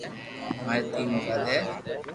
ماري تين اولاد ھي